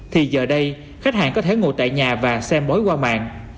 thì giờ đây khách hàng có thể ngồi tại nhà và xem bói qua mạng